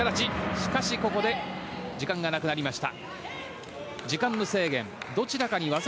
しかし、ここで時間がなくなりました。